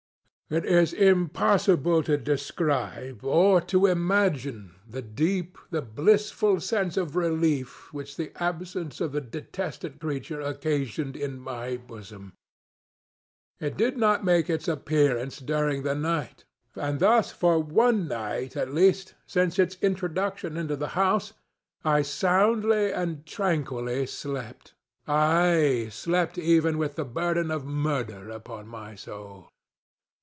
It is impossible to describe, or to imagine, the deep, the blissful sense of relief which the absence of the detested creature occasioned in my bosom. It did not make its appearance during the night; and thus for one night at least, since its introduction into the house, I soundly and tranquilly slept; aye, slept even with the burden of murder upon my soul!